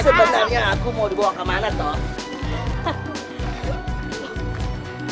sebenarnya aku mau dibawa kemana tuh